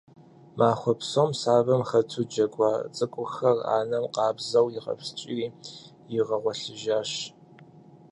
Махуэ псом сабэм хэту джэгуа цӏыкӏухэр анэм къабзэу игъэпскӏири игъэгъуэлъыжащ.